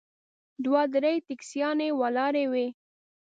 دوه درې ټیکسیانې ولاړې وې.